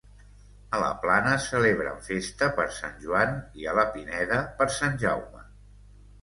A la Plana celebren festa per Sant Joan, i a la Pineda, per Sant Jaume.